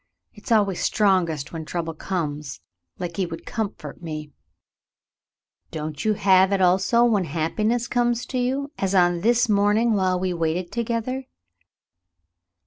It's always strongest when trouble comes, like he would comfort me." An Eventful Day 197 *' Don't you have it also when happiness comes to you, as on this morning while we waited together